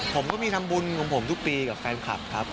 ผมก็มีทำบุญของผมทุกปีกับแฟนคลับครับ